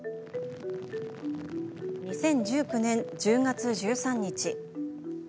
２０１９年１０月１３日。